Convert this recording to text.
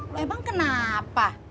lo emang kenapa